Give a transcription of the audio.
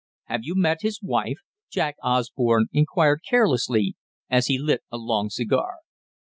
"Have you met his wife?" Jack Osborne inquired carelessly, as he lit a long cigar.